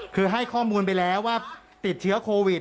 คือให้ข้อมูลไปแล้วว่าติดเชื้อโควิด